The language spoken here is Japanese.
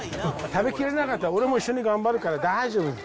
食べきれなかったら、俺も一緒に頑張るから、大丈夫。